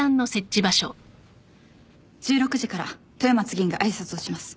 １６時から豊松議員が挨拶をします。